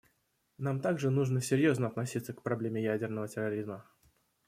Нам также нужно серьезно относиться к проблеме ядерного терроризма.